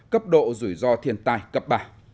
cấp độ rủi ro thiên tai cấp ba